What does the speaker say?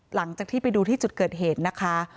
หลังจากที่ไปดูที่จุดเกิดเหตุนะคะ